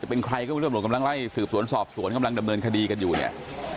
เป็นใครก็ไม่รู้ตำรวจกำลังไล่สืบสวนสอบสวนกำลังดำเนินคดีกันอยู่เนี่ย